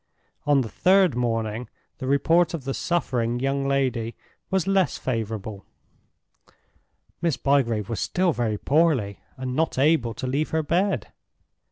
On the third morning the report of the suffering young lady was less favorable—"Miss Bygrave was still very poorly, and not able to leave her bed."